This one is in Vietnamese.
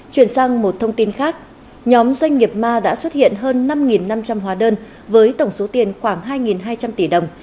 chuyển sang một thông tin khác nhóm doanh nghiệp ma đã xuất hiện hơn năm năm trăm linh hóa đơn với tổng số tiền khoảng hai hai trăm linh tỷ đồng